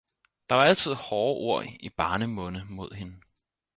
Der var altid haarde Ord i Barnemunde mod hende.